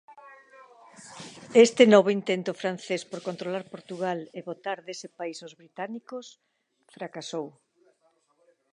Este novo intento francés por controlar Portugal e botar dese país os británicos fracasou.